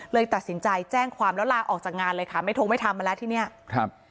เลยตัดสินใจแจ้งความแล้วลาออกจากงานเลยค่ะไม่ทงไม่ทำมาแล้วที่เนี้ยครับ